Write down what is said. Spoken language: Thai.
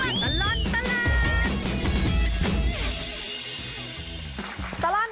ช่วงตลอดตลอด